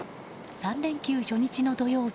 ３連休初日の土曜日